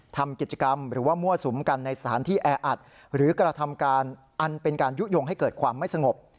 ทำกิจกรรมหรือว่ามั่วสุมกันในสถานที่แออัดหรือกระทำการอันเป็นการยุโยงให้เกิดความไม่สงบ